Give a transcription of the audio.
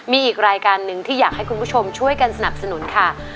มีอีกรายการหนึ่งที่อยากให้คุณผู้ชมช่วยกันสนับสนุนค่ะ